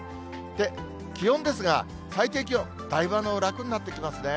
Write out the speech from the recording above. で、気温ですが、最低気温、だいぶ楽になってきますね。